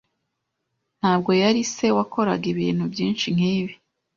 Ntabwo yari se wakoraga ibintu byinshi nkibi.